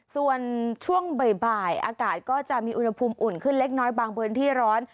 ส่วนช่วงบ่ายอากาศก็จะมีอุณหภูมิอุ่นขึ้นเล็กน้อยบางพื้นที่ร้อน